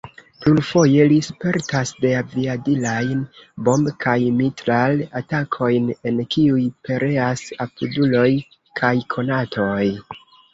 Plurfoje li spertas deaviadilajn bomb- kaj mitral-atakojn, en kiuj pereas apuduloj kaj konatoj.